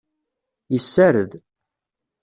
Yessared.